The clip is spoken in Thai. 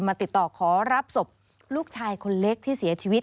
ติดต่อขอรับศพลูกชายคนเล็กที่เสียชีวิต